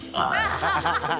ハハハハッ。